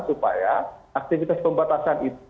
supaya aktivitas pembatasan itu